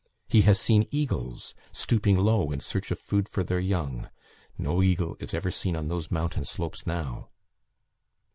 He has seen eagles stooping low in search of food for their young; no eagle is ever seen on those mountain slopes now.